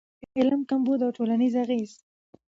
علم کمبود او ټولنیز اغېز